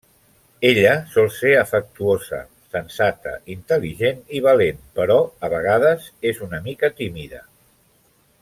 Ella sol ser afectuosa, sensata, intel·ligent i valent, però a vegades és una mica tímida.